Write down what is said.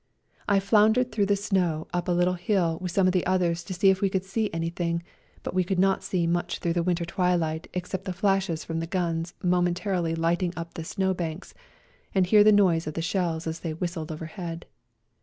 I floun dered through the snow up a httle hill with some of the others to see if we could see anything, but we could not see much through the winter twilight except the flashes from the guns momentarily light ing up the snow banks, and hear the noise of the shells as they whistled overhead.